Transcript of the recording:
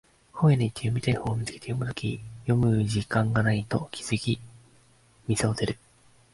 本屋行って読みたい本を見つけて読む時間がないと気づき店を出る